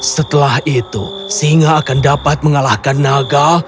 setelah itu singa akan dapat mengalahkan naga